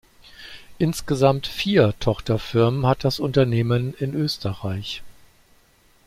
Insgesamt vier Tochterfirmen hat das Unternehmen in Österreich.